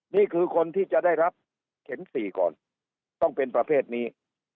นี่คือคนที่จะได้รับเข็ม๔ก่อนต้องเป็นประเภทนี้